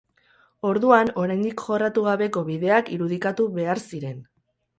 Orduan, oraindik jorratu gabeko bideak irudikatu behar ziren.